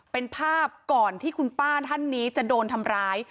เป็นภาพก่อนที่คุณป้าท่านนี้จะโดนทำร้าย